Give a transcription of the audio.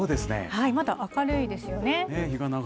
まだ明るいですよね。